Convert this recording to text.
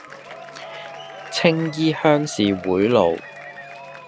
青衣鄉事會路